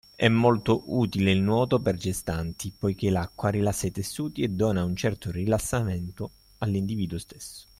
È molto utile il nuoto per gestanti, poichè l’acqua rilassa i tessuti e dona un certo rilassamente all’individuo stesso.